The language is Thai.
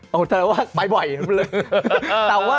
เอาแต่ว่าไปบ่อยครับเลย